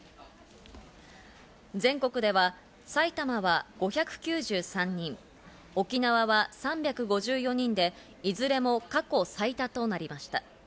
全国では埼玉は５９３人、沖縄は３５４人で、いずれも過去最多となりました。